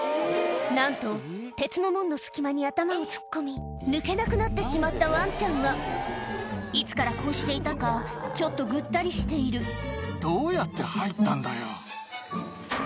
なんと鉄の門の隙間に頭を突っ込み抜けなくなってしまったワンちゃんがいつからこうしていたのかちょっとぐったりしているどうやって入ったんだよ。